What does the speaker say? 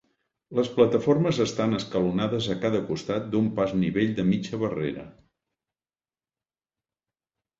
Les plataformes estan escalonades a cada costat d"un pas a nivell de mitja barrera.